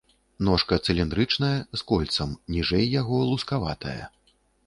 Ножка цыліндрычная, з кольцам, ніжэй яго лускаватая.